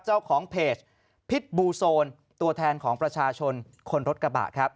เจ้าของเพจพิษบูโซนตัวแทนของประชาชนคนรถกระบะครับ